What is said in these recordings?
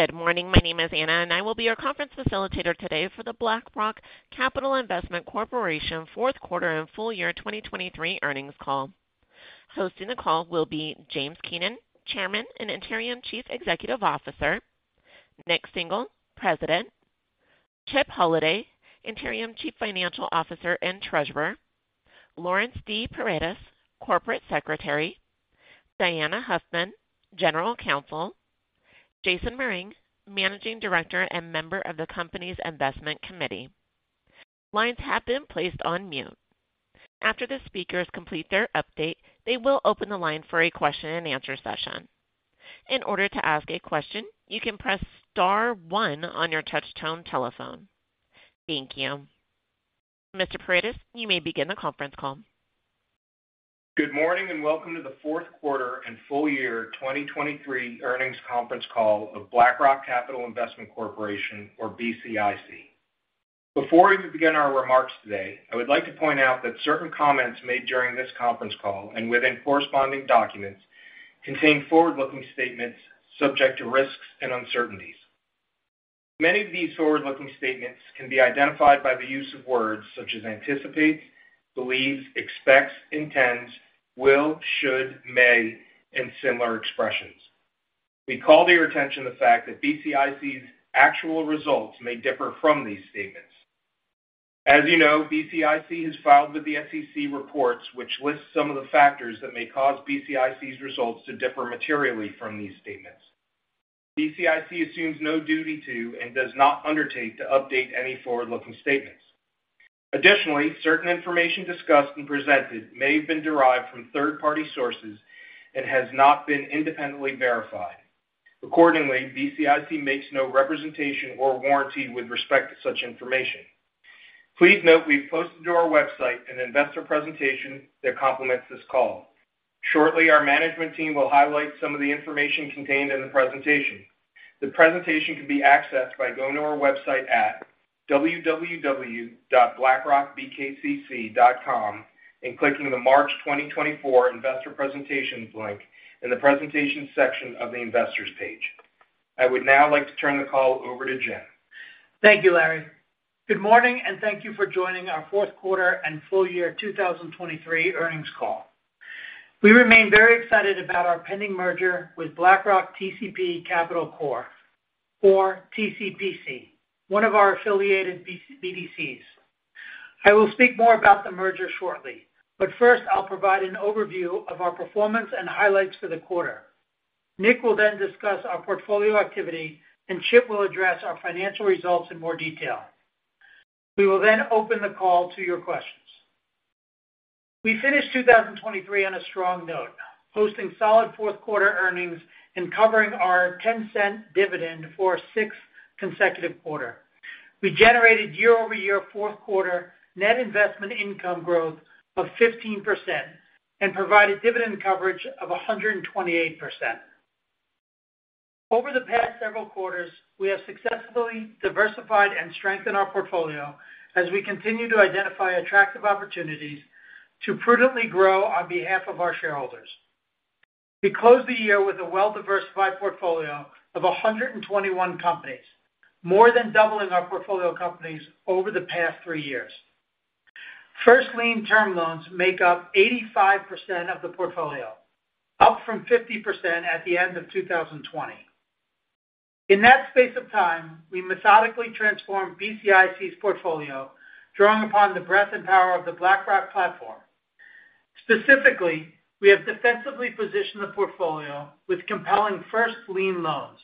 Good morning. My name is Anna, and I will be your conference facilitator today for the BlackRock Capital Investment Corporation Fourth Quarter and Full Year 2023 Earnings Call. Hosting the call will be James Keenan, Chairman and Interim Chief Executive Officer, Nik Singhal, President, Chip Holladay, Interim Chief Financial Officer and Treasurer, Laurence D. Paredes, Corporate Secretary, Diana Huffman, General Counsel, Jason Mehring, Managing Director and member of the Company's Investment Committee. Lines have been placed on mute. After the speakers complete their update, they will open the line for a question-and-answer session. In order to ask a question, you can press star 1 on your touch-tone telephone. Thank you. Mr. Paredes, you may begin the conference call. Good morning and welcome to the fourth quarter and full year 2023 earnings conference call of BlackRock Capital Investment Corporation, or BCIC. Before we begin our remarks today, I would like to point out that certain comments made during this conference call and within corresponding documents contain forward-looking statements subject to risks and uncertainties. Many of these forward-looking statements can be identified by the use of words such as anticipates, believes, expects, intends, will, should, may, and similar expressions. We call to your attention the fact that BCIC's actual results may differ from these statements. As you know, BCIC has filed with the SEC reports which list some of the factors that may cause BCIC's results to differ materially from these statements. BCIC assumes no duty to and does not undertake to update any forward-looking statements. Additionally, certain information discussed and presented may have been derived from third-party sources and has not been independently verified. Accordingly, BCIC makes no representation or warranty with respect to such information. Please note we've posted to our website an investor presentation that complements this call. Shortly, our management team will highlight some of the information contained in the presentation. The presentation can be accessed by going to our website at www.blackrockbkcc.com and clicking the March 2024 Investor Presentations link in the Presentations section of the Investors page. I would now like to turn the call over to Jim. Thank you, Larry. Good morning and thank you for joining our fourth quarter and full year 2023 earnings call. We remain very excited about our pending merger with BlackRock TCP Capital Corp, or TCPC, one of our affiliated BDCs. I will speak more about the merger shortly, but first I'll provide an overview of our performance and highlights for the quarter. Nik will then discuss our portfolio activity, and Chip will address our financial results in more detail. We will then open the call to your questions. We finished 2023 on a strong note, posting solid fourth quarter earnings and covering our $0.10 dividend for six consecutive quarters. We generated year-over-year fourth quarter net investment income growth of 15% and provided dividend coverage of 128%. Over the past several quarters, we have successfully diversified and strengthened our portfolio as we continue to identify attractive opportunities to prudently grow on behalf of our shareholders. We closed the year with a well-diversified portfolio of 121 companies, more than doubling our portfolio companies over the past three years. First-lien term loans make up 85% of the portfolio, up from 50% at the end of 2020. In that space of time, we methodically transformed BCIC's portfolio, drawing upon the breadth and power of the BlackRock platform. Specifically, we have defensively positioned the portfolio with compelling first-lien loans,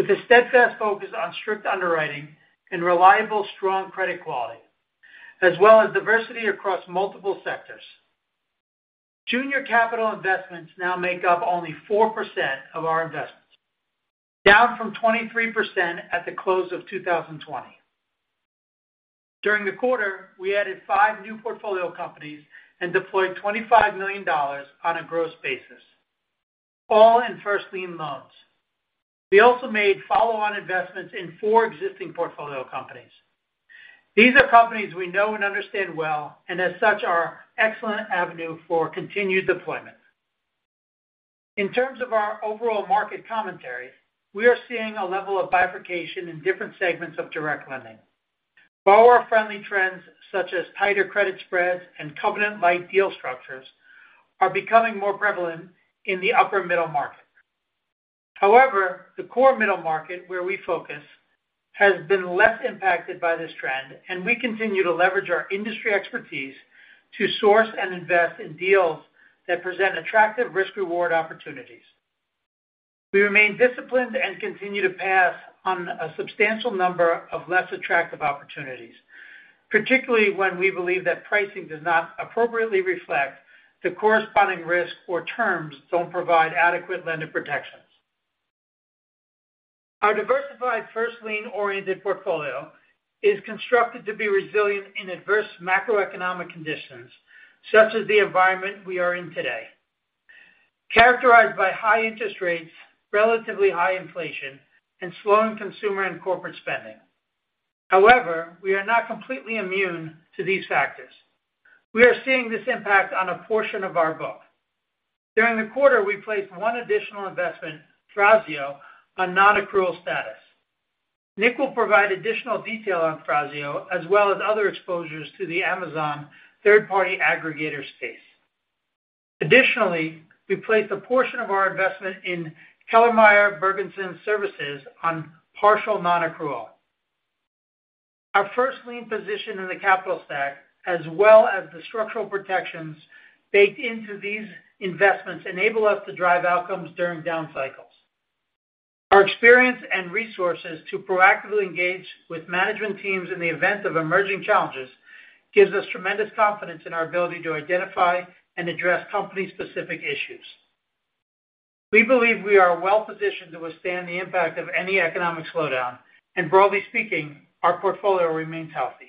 with a steadfast focus on strict underwriting and reliable, strong credit quality, as well as diversity across multiple sectors. Junior Capital Investments now make up only 4% of our investments, down from 23% at the close of 2020. During the quarter, we added five new portfolio companies and deployed $25 million on a gross basis, all in first-lien loans. We also made follow-on investments in four existing portfolio companies. These are companies we know and understand well, and as such are an excellent avenue for continued deployment. In terms of our overall market commentary, we are seeing a level of bifurcation in different segments of direct lending. Borrower-friendly trends such as tighter credit spreads and covenant-like deal structures are becoming more prevalent in the upper middle market. However, the core middle market, where we focus, has been less impacted by this trend, and we continue to leverage our industry expertise to source and invest in deals that present attractive risk-reward opportunities. We remain disciplined and continue to pass on a substantial number of less attractive opportunities, particularly when we believe that pricing does not appropriately reflect the corresponding risk or terms don't provide adequate lender protections. Our diversified first-lien-oriented portfolio is constructed to be resilient in adverse macroeconomic conditions such as the environment we are in today, characterized by high interest rates, relatively high inflation, and slowing consumer and corporate spending. However, we are not completely immune to these factors. We are seeing this impact on a portion of our book. During the quarter, we placed one additional investment, Thrasio, on non-accrual status. Nik will provide additional detail on Thrasio as well as other exposures to the Amazon third-party aggregator space. Additionally, we placed a portion of our investment in Kellermeyer Bergensons Services on partial non-accrual. Our first-lien position in the capital stack, as well as the structural protections baked into these investments, enable us to drive outcomes during down cycles. Our experience and resources to proactively engage with management teams in the event of emerging challenges give us tremendous confidence in our ability to identify and address company-specific issues. We believe we are well positioned to withstand the impact of any economic slowdown, and broadly speaking, our portfolio remains healthy.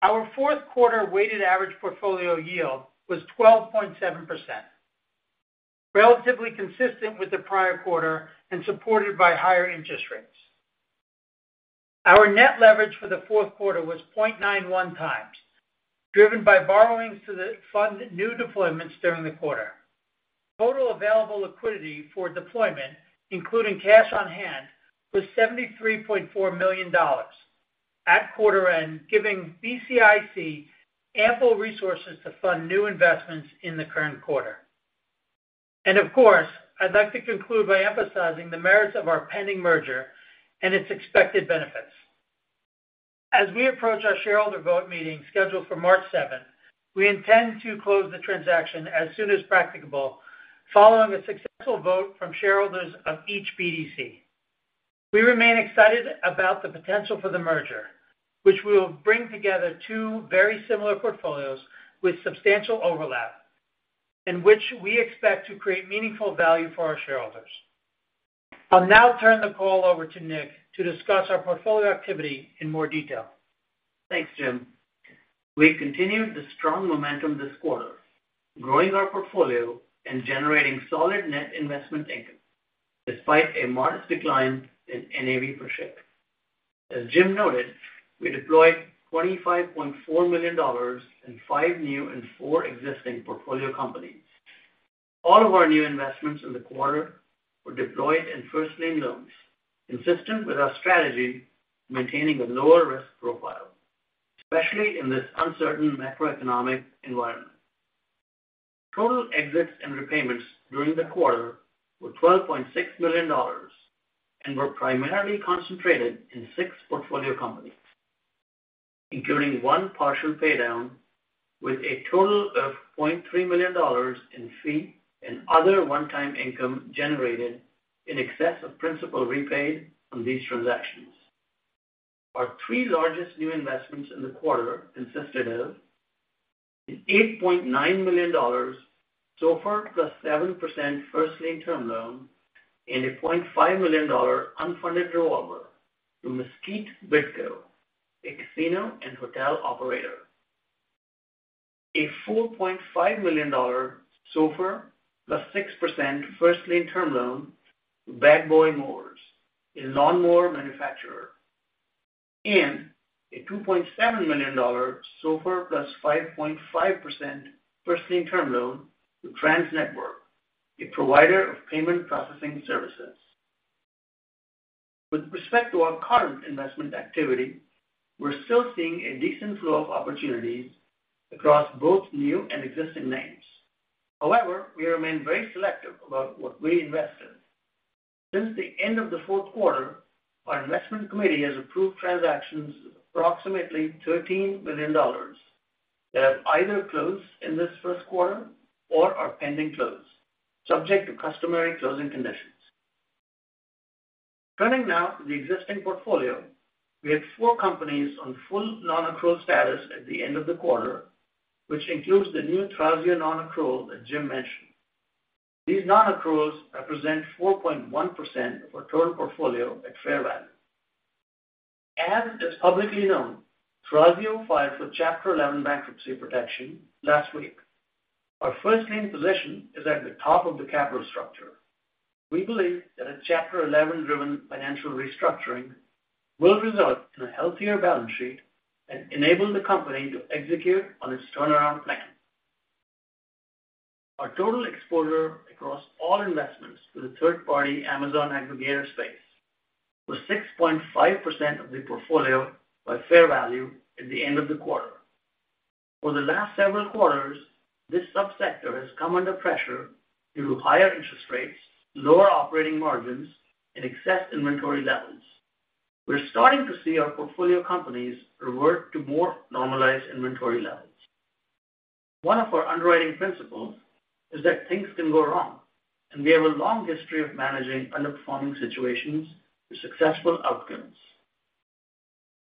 Our fourth quarter weighted average portfolio yield was 12.7%, relatively consistent with the prior quarter and supported by higher interest rates. Our net leverage for the fourth quarter was 0.91x, driven by borrowings to fund new deployments during the quarter. Total available liquidity for deployment, including cash on hand, was $73.4 million at quarter end, giving BCIC ample resources to fund new investments in the current quarter. Of course, I'd like to conclude by emphasizing the merits of our pending merger and its expected benefits. As we approach our shareholder vote meeting scheduled for March 7th, we intend to close the transaction as soon as practicable following a successful vote from shareholders of each BDC. We remain excited about the potential for the merger, which will bring together two very similar portfolios with substantial overlap and which we expect to create meaningful value for our shareholders. I'll now turn the call over to Nik to discuss our portfolio activity in more detail. Thanks, Jim. We've continued the strong momentum this quarter, growing our portfolio and generating solid net investment income despite a modest decline in NAV per share. As Jim noted, we deployed $25.4 million in five new and four existing portfolio companies. All of our new investments in the quarter were deployed in first-lien loans, consistent with our strategy maintaining a lower risk profile, especially in this uncertain macroeconomic environment. Total exits and repayments during the quarter were $12.6 million and were primarily concentrated in six portfolio companies, including one partial paydown with a total of $0.3 million in fee and other one-time income generated in excess of principal repaid on these transactions. Our three largest new investments in the quarter consisted of an $8.9 million SOFR plus 7% first-lien term loan and a $0.5 million unfunded revolver to Mesquite Bidco, a casino and hotel operator, a $4.5 million SOFR plus 6% first-lien term loan to Bad Boy Mowers, a lawn mower manufacturer, and a $2.7 million SOFR plus 5.5% first-lien term loan to TransNetwork, a provider of payment processing services. With respect to our current investment activity, we're still seeing a decent flow of opportunities across both new and existing names. However, we remain very selective about what we invest in. Since the end of the fourth quarter, our investment committee has approved transactions of approximately $13 million that have either closed in this first quarter or are pending close, subject to customary closing conditions. Turning now to the existing portfolio, we have four companies on full non-accrual status at the end of the quarter, which includes the new Thrasio non-accrual that Jim mentioned. These non-accruals represent 4.1% of our total portfolio at fair value. As is publicly known, Thrasio filed for Chapter 11 bankruptcy protection last week. Our first-lien position is at the top of the capital structure. We believe that a Chapter 11-driven financial restructuring will result in a healthier balance sheet and enable the company to execute on its turnaround plan. Our total exposure across all investments to the third-party Amazon aggregator space was 6.5% of the portfolio by fair value at the end of the quarter. For the last several quarters, this subsector has come under pressure due to higher interest rates, lower operating margins, and excess inventory levels. We're starting to see our portfolio companies revert to more normalized inventory levels. One of our underwriting principles is that things can go wrong, and we have a long history of managing underperforming situations with successful outcomes.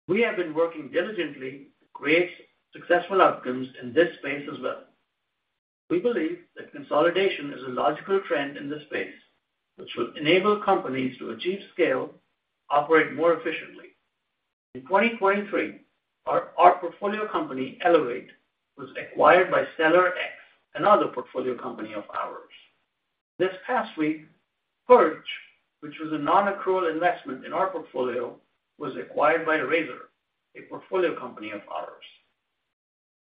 We have been working diligently to create successful outcomes in this space as well. We believe that consolidation is a logical trend in this space, which will enable companies to achieve scale, operate more efficiently. In 2023, our portfolio company, Elevate, was acquired by SellerX, another portfolio company of ours. This past week, Perch, which was a non-accrual investment in our portfolio, was acquired by Razor, a portfolio company of ours.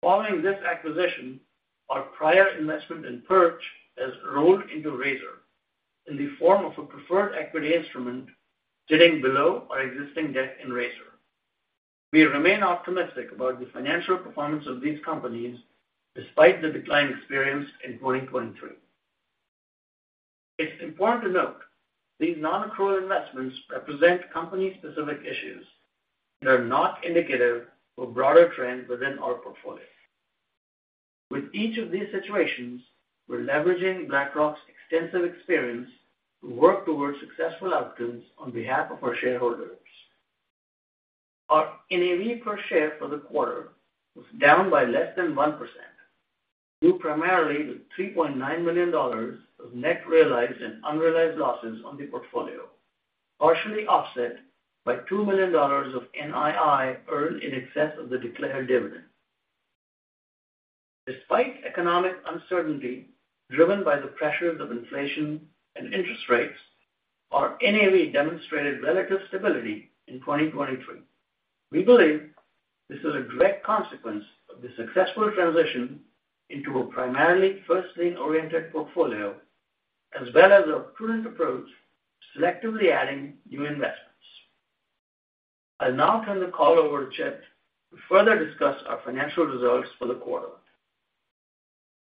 Following this acquisition, our prior investment in Perch has rolled into Razor in the form of a preferred equity instrument sitting below our existing debt in Razor. We remain optimistic about the financial performance of these companies despite the decline experienced in 2023. It's important to note these non-accrual investments represent company-specific issues that are not indicative of a broader trend within our portfolio. With each of these situations, we're leveraging BlackRock's extensive experience to work towards successful outcomes on behalf of our shareholders. Our NAV per share for the quarter was down by less than 1% due primarily to $3.9 million of net realized and unrealized losses on the portfolio, partially offset by $2 million of NII earned in excess of the declared dividend. Despite economic uncertainty driven by the pressures of inflation and interest rates, our NAV demonstrated relative stability in 2023. We believe this is a direct consequence of the successful transition into a primarily first-lien-oriented portfolio as well as a prudent approach to selectively adding new investments. I'll now turn the call over to Chip to further discuss our financial results for the quarter.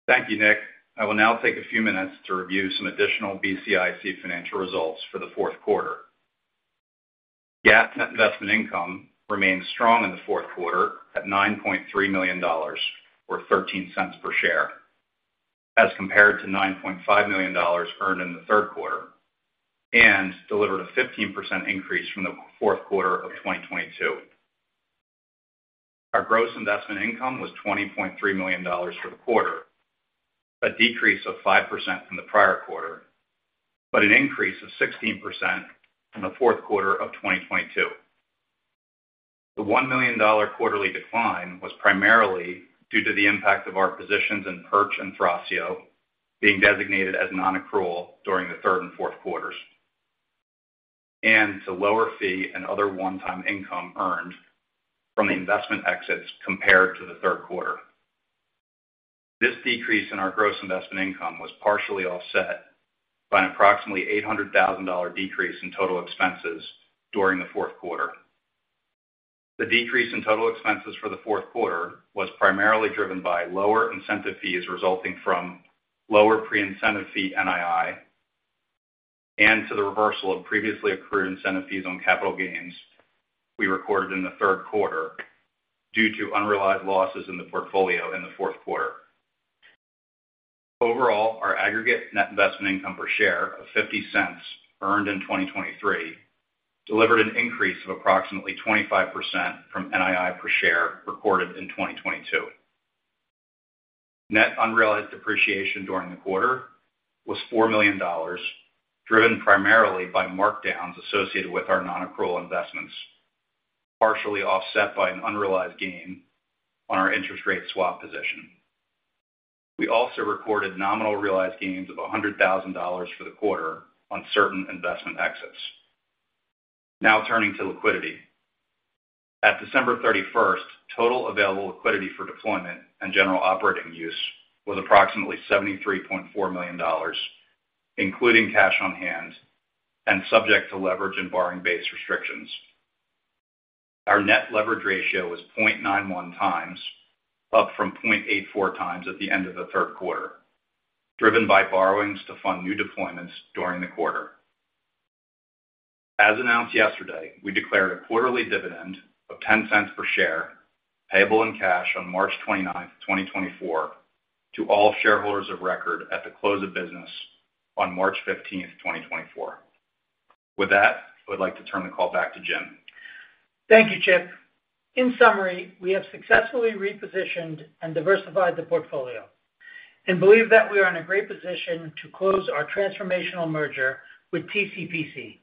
Thank you, Nik. I will now take a few minutes to review some additional BCIC financial results for the fourth quarter. GAAP net investment income remained strong in the fourth quarter at $9.3 million or $0.13 per share as compared to $9.5 million earned in the third quarter and delivered a 15% increase from the fourth quarter of 2022. Our gross investment income was $20.3 million for the quarter, a decrease of 5% from the prior quarter, but an increase of 16% from the fourth quarter of 2022. The $1 million quarterly decline was primarily due to the impact of our positions in Perch and Thrasio being designated as non-accrual during the third and fourth quarters and to lower fee and other one-time income earned from the investment exits compared to the third quarter. This decrease in our gross investment income was partially offset by an approximately $800,000 decrease in total expenses during the fourth quarter. The decrease in total expenses for the fourth quarter was primarily driven by lower incentive fees resulting from lower pre-incentive fee NII and to the reversal of previously accrued incentive fees on capital gains we recorded in the third quarter due to unrealized losses in the portfolio in the fourth quarter. Overall, our aggregate net investment income per share of $0.50 earned in 2023 delivered an increase of approximately 25% from NII per share recorded in 2022. Net unrealized depreciation during the quarter was $4 million driven primarily by markdowns associated with our non-accrual investments, partially offset by an unrealized gain on our interest rate swap position. We also recorded nominal realized gains of $100,000 for the quarter on certain investment exits. Now turning to liquidity. At December 31st, total available liquidity for deployment and general operating use was approximately $73.4 million, including cash on hand and subject to leverage and borrowing-based restrictions. Our net leverage ratio was 0.91x up from 0.84x at the end of the third quarter, driven by borrowings to fund new deployments during the quarter. As announced yesterday, we declared a quarterly dividend of $0.10 per share payable in cash on March 29th, 2024, to all shareholders of record at the close of business on March 15th, 2024. With that, I would like to turn the call back to Jim. Thank you, Chip. In summary, we have successfully repositioned and diversified the portfolio and believe that we are in a great position to close our transformational merger with TCPC.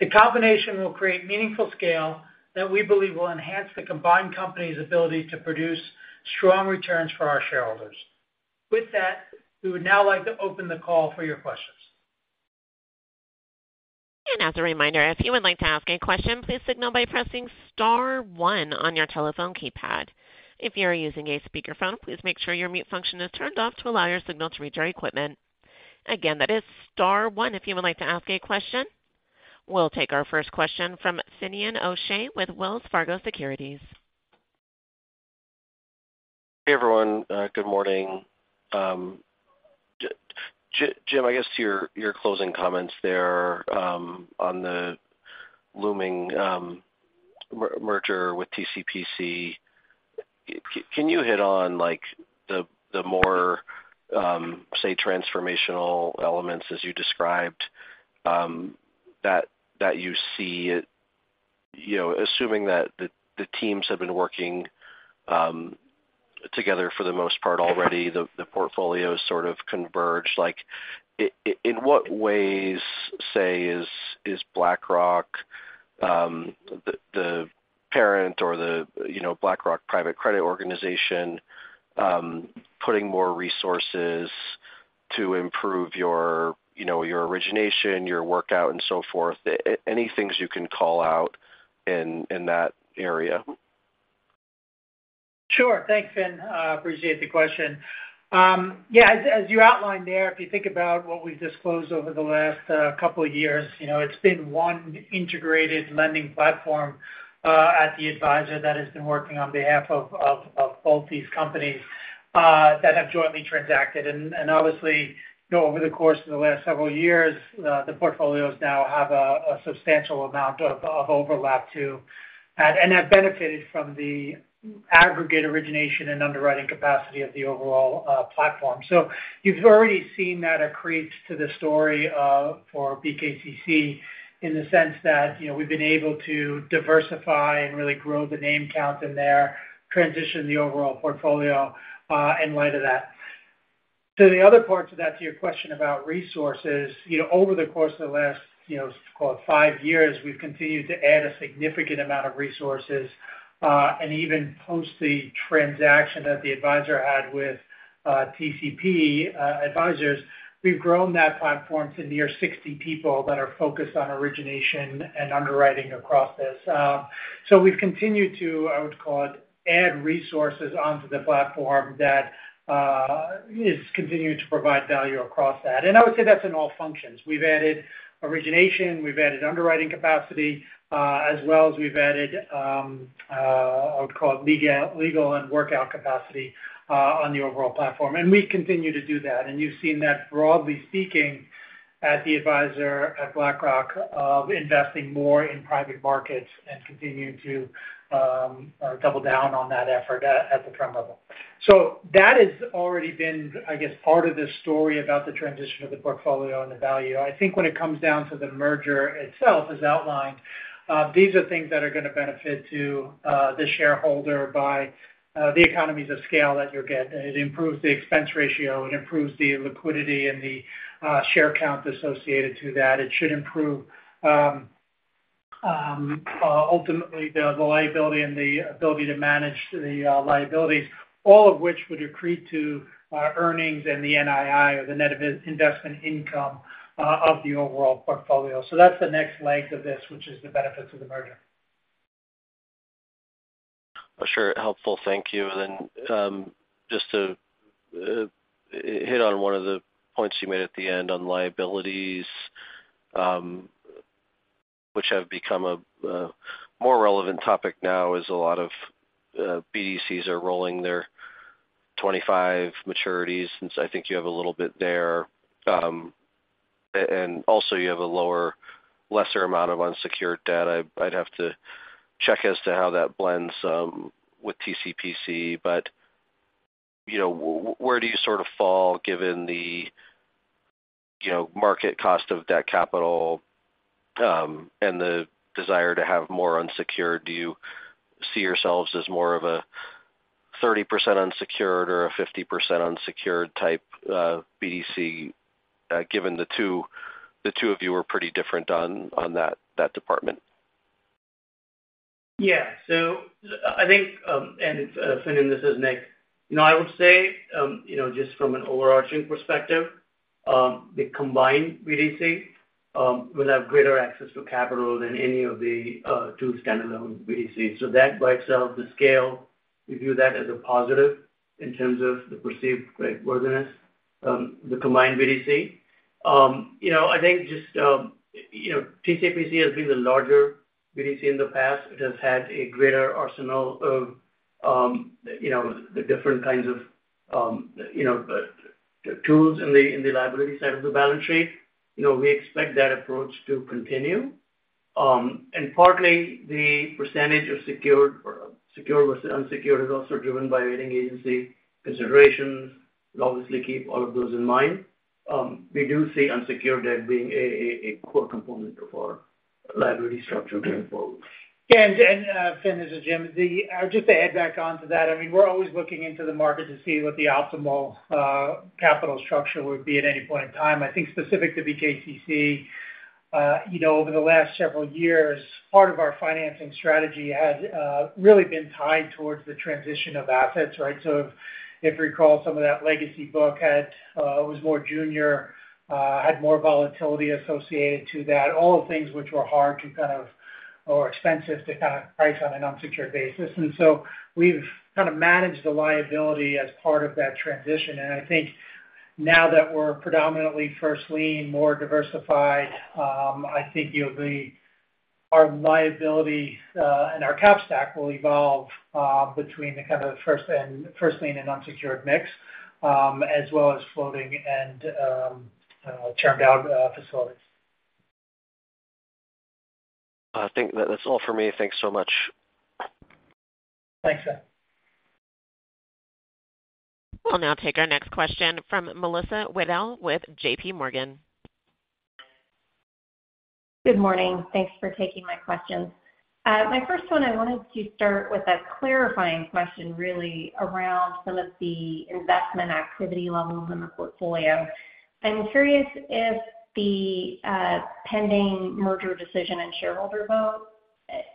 The combination will create meaningful scale that we believe will enhance the combined company's ability to produce strong returns for our shareholders. With that, we would now like to open the call for your questions. As a reminder, if you would like to ask a question, please signal by pressing star one on your telephone keypad. If you are using a speakerphone, please make sure your mute function is turned off to allow your signal to reach our equipment. Again, that is star one if you would like to ask a question. We'll take our first question from Finian O'Shea with Wells Fargo Securities. Hey, everyone. Good morning. Jim, I guess to your, your closing comments there, on the looming merger with TCPC, can you hit on, like, the more, say, transformational elements as you described, that you see it you know, assuming that the teams have been working together for the most part already, the portfolio's sort of converged. Like, in what ways, say, is BlackRock, the parent or the, you know, BlackRock Private Credit organization, putting more resources to improve your, you know, your origination, your workout, and so forth? Any things you can call out in that area? Sure. Thanks, Finn. Appreciate the question. Yeah, as, as you outlined there, if you think about what we've disclosed over the last couple of years, you know, it's been one integrated lending platform at the advisor that has been working on behalf of, of, of both these companies that have jointly transacted. And, and obviously, you know, over the course of the last several years, the portfolios now have a, a substantial amount of, of overlap too and, and have benefited from the aggregate origination and underwriting capacity of the overall platform. So you've already seen that accrete to the story for BCIC in the sense that, you know, we've been able to diversify and really grow the name count in there, transition the overall portfolio in light of that. So the other part to that, to your question about resources, you know, over the course of the last, you know, call it five years, we've continued to add a significant amount of resources. And even post the transaction that the advisor had with TCP Advisors, we've grown that platform to near 60 people that are focused on origination and underwriting across this. So we've continued to, I would call it, add resources onto the platform that is continuing to provide value across that. And I would say that's in all functions. We've added origination. We've added underwriting capacity, as well as we've added, I would call it legal, legal and workout capacity, on the overall platform. And we continue to do that. You've seen that broadly speaking at the advisor at BlackRock of investing more in private markets and continuing to double down on that effort at the front level. So that has already been, I guess, part of the story about the transition of the portfolio and the value. I think when it comes down to the merger itself, as outlined, these are things that are going to benefit to the shareholder by the economies of scale that you'll get. It improves the expense ratio. It improves the liquidity and the share count associated to that. It should improve, ultimately, the liability and the ability to manage the liabilities, all of which would accrete to earnings and the NII or the net investment income of the overall portfolio. So that's the next leg of this, which is the benefits of the merger. Sure. Helpful. Thank you. And then, just to hit on one of the points you made at the end on liabilities, which have become a more relevant topic now is a lot of BDCs are rolling their 2025 maturities since I think you have a little bit there. And also you have a lower, lesser amount of unsecured debt. I'd have to check as to how that blends with TCPC. But you know where do you sort of fall given the you know market cost of debt capital, and the desire to have more unsecured? Do you see yourselves as more of a 30% unsecured or a 50% unsecured type BDC, given the two of you are pretty different on that department? Yeah. So I think, Finn, and this is Nik, you know, I would say, you know, just from an overarching perspective, the combined BDC will have greater access to capital than any of the two standalone BDCs. So that by itself, the scale, we view that as a positive in terms of the perceived creditworthiness, the combined BDC. You know, I think just, you know, TCPC has been the larger BDC in the past. It has had a greater arsenal of, you know, the different kinds of, you know, tools in the liability side of the balance sheet. You know, we expect that approach to continue. And partly, the percentage of secured versus unsecured is also driven by rating agency considerations. We'll obviously keep all of those in mind. We do see unsecured debt being a core component of our liability structure going forward. Yeah. And Finn, this is Jim. Just to add back onto that, I mean, we're always looking into the market to see what the optimal capital structure would be at any point in time. I think specific to BCIC, you know, over the last several years, part of our financing strategy had really been tied towards the transition of assets, right? So if you recall, some of that legacy book had was more junior, had more volatility associated to that, all of things which were hard to kind of or expensive to kind of price on an unsecured basis. And so we've kind of managed the liability as part of that transition. I think now that we're predominantly first-lien, more diversified, I think, you know, our liability, and our cap stack will evolve, between the kind of first and first-lien and unsecured mix, as well as floating and termed out facilities. I think that that's all for me. Thanks so much. Thanks, Finn. We'll now take our next question from Melissa Wedel with JPMorgan. Good morning. Thanks for taking my questions. My first one, I wanted to start with a clarifying question really around some of the investment activity levels in the portfolio. I'm curious if the, pending merger decision and shareholder vote,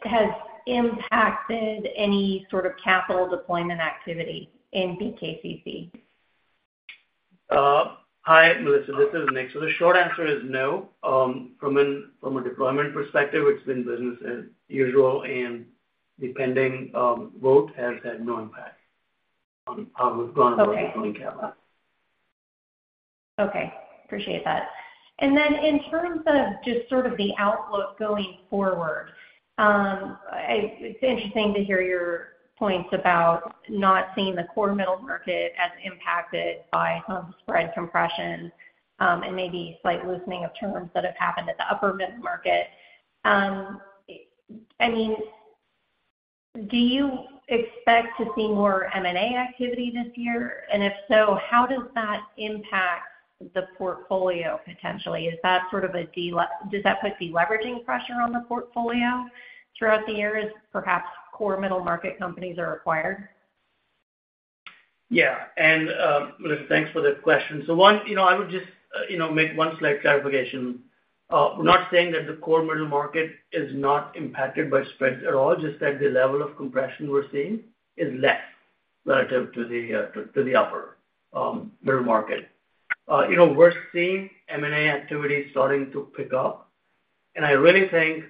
has impacted any sort of capital deployment activity in BCIC? Hi, Melissa. This is Nik. So the short answer is no. From a deployment perspective, it's been business as usual. And the pending vote has had no impact on how we've gone about deploying capital. Okay. Okay. Appreciate that. And then in terms of just sort of the outlook going forward, it's interesting to hear your points about not seeing the core middle market as impacted by some spread compression, and maybe slight loosening of terms that have happened at the upper middle market. I mean, do you expect to see more M&A activity this year? And if so, how does that impact the portfolio potentially? Does that put deleveraging pressure on the portfolio throughout the year as perhaps core middle market companies are acquired? Yeah. And, Melissa, thanks for that question. So one, you know, I would just, you know, make one slight clarification. We're not saying that the core middle market is not impacted by spreads at all, just that the level of compression we're seeing is less relative to the, to the upper, middle market. You know, we're seeing M&A activity starting to pick up. And I really think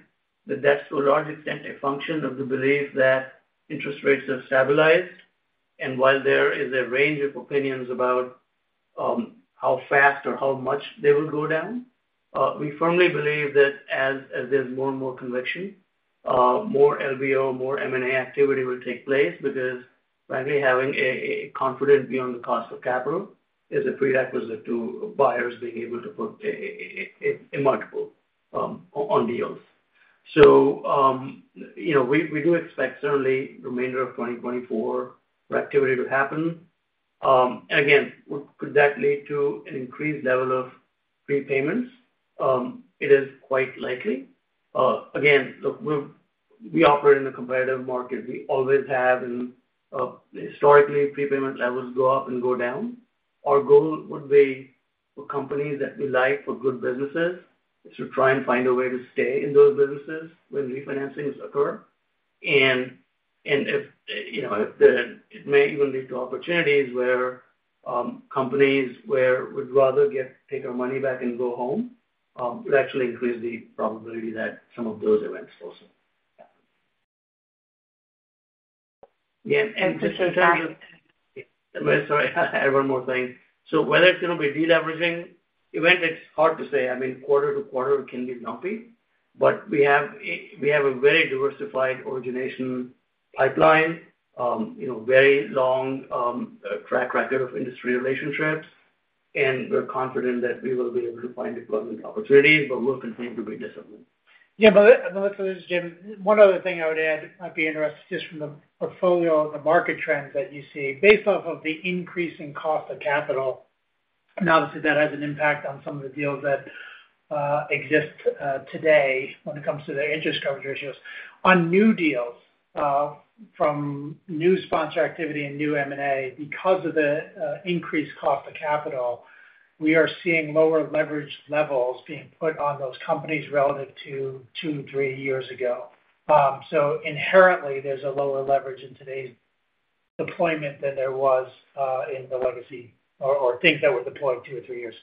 that that's, to a large extent, a function of the belief that interest rates have stabilized. And while there is a range of opinions about how fast or how much they will go down, we firmly believe that as, as there's more and more conviction, more LBO, more M&A activity will take place because, frankly, having a multiple on deals. So, you know, we do expect, certainly, remainder of 2024 for activity to happen. Again, could that lead to an increased level of prepayments? It is quite likely. Again, look, we operate in a competitive market. We always have, and historically, prepayment levels go up and go down. Our goal would be for companies that we like for good businesses is to try and find a way to stay in those businesses when refinancings occur. And if, you know, if it may even lead to opportunities where companies where we'd rather take our money back and go home would actually increase the probability that some of those events also happen. Yeah. And just in terms of—sorry. I had one more thing. So whether it's going to be a de-leveraging event, it's hard to say. I mean, quarter to quarter, it can be lumpy. But we have a very diversified origination pipeline, you know, very long track record of industry relationships. And we're confident that we will be able to find deployment opportunities, but we'll continue to be disciplined. Yeah. Melissa, it's Jim. One other thing I would add, I'd be interested just from the portfolio and the market trends that you see based off of the increasing cost of capital. And obviously, that has an impact on some of the deals that exist today when it comes to their interest coverage ratios. On new deals, from new sponsor activity and new M&A, because of the increased cost of capital, we are seeing lower leverage levels being put on those companies relative to two, three years ago. So inherently, there's a lower leverage in today's deployment than there was in the legacy or things that were deployed two or three years.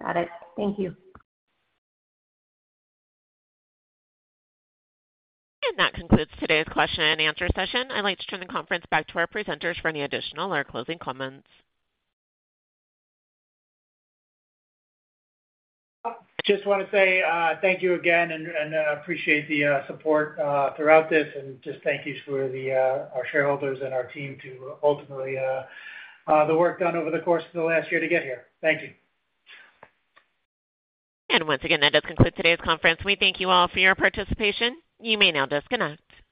Got it. Thank you. That concludes today's question-and-answer session. I'd like to turn the conference back to our presenters for any additional or closing comments. Just want to say, thank you again and appreciate the support throughout this. And just thank you to our shareholders and our team for ultimately the work done over the course of the last year to get here. Thank you. Once again, that does conclude today's conference. We thank you all for your participation. You may now disconnect.